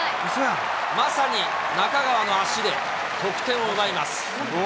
まさに中川の足で得点を奪います。